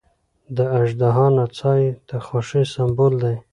د اژدها نڅا یې د خوښۍ سمبول دی.